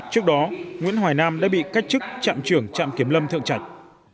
trước đó nguyễn hoài nam đã bị cách chức trạm trưởng trạm kiểm lâm thượng trạch